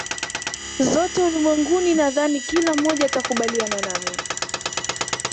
zote ulimwenguni Nadhani kila mmoja atakubaliana nami